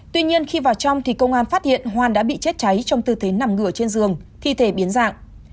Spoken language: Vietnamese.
tuy nhiên khi vào trong công an phát hiện hoan đã bị chết cháy trong tư thế nằm ngửa trên giường thi thể biến dạng